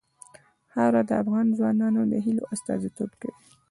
خاوره د افغان ځوانانو د هیلو استازیتوب کوي.